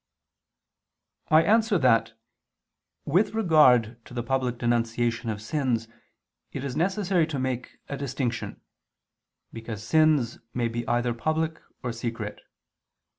I answer that, With regard to the public denunciation of sins it is necessary to make a distinction: because sins may be either public or secret.